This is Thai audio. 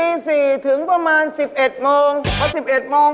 ยกถึงกี่โมง